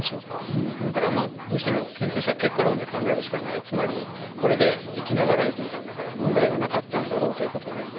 うん僕らはまあどうしても研究者結果論で考えるしかない。つまりこれで生き長らえていたんだから問題はなかったんだろうということになります。